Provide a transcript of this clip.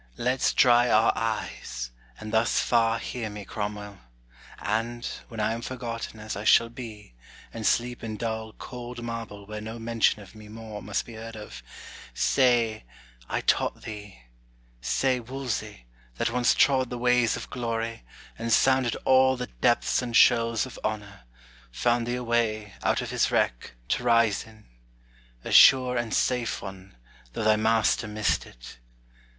Let's dry our eyes: and thus far hear me, Cromwell; And when I am forgotten, as I shall be, And sleep in dull, cold marble, where no mention Of me more must be heard of say, I taught thee, Say, Wolsey that once trod the ways of glory, And sounded all the depths and shoals of honor Found thee a way, out of his wreck, to rise in; A sure and safe one, though thy master missed it.